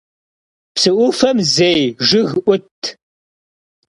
Psı 'ufem zêy jjıg 'utt.